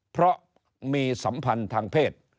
เพราะมีสัมพันธ์ทางเพศ